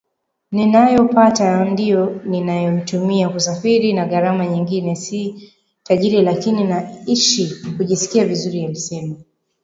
ninayopata ndiyo ninayoitumia kusafiri na gharama nyingine Si tajiri lakini naishi kujisikia vizuri alisema